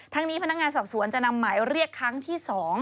ทั้งนี้พนักงานสอบสวนจะนำหมายเรียกครั้งที่๒